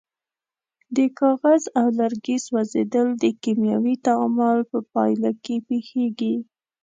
د کاغذ او لرګي سوځیدل د کیمیاوي تعامل په پایله کې پیښیږي.